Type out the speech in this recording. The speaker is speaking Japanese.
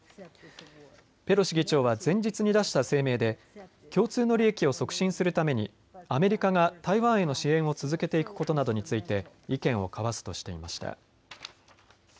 ペロシ議長は前日に出した声明で共通の利益を促進するためにアメリカが台湾への支援を続けていくことなどについて意見を交わすとしていました。